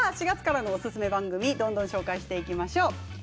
４月からのオススメ番組どんどん紹介していきましょう。